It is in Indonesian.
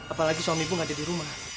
apalagi suami bu gak ada di rumah